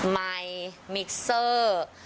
ไมค์เมลิเซอร์